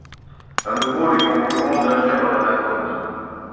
À nouveau, les concurrents nagèrent vers la côte.